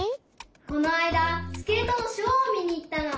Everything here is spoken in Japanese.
このあいだスケートのショーをみにいったの。